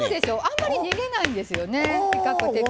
あんまり逃げないんですよね比較的。